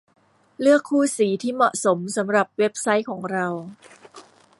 เลือกคู่สีที่เหมาะสมสำหรับเว็บไซต์ของเรา